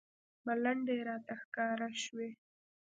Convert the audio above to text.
ملنډې راته ښکاره شوې.